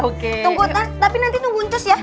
apa ini hukuman buat emak